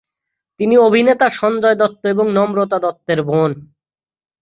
তিনি অভিনেতা সঞ্জয় দত্ত এবং নম্রতা দত্তের বোন।